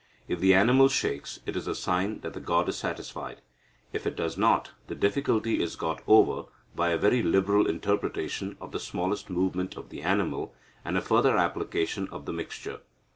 If the animal shakes, it is a sign that the god is satisfied. If it does not, the difficulty is got over by a very liberal interpretation of the smallest movement of the animal, and a further application of the mixture.